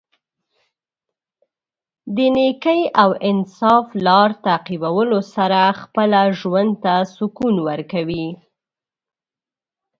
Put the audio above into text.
د نېکۍ او انصاف لار تعقیبولو سره خپله ژوند ته سکون ورکوي.